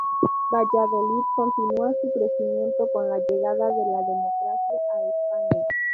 Valladolid continúa su crecimiento con la llegada de la democracia a España.